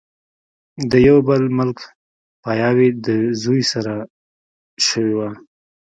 د يو بل ملک پاياوي د زوي سره شوې وه